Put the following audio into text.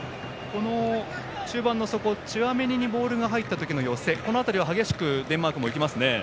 この中盤の底チュアメニにボールが入った時の寄せこの辺りは激しくデンマークも行きますね。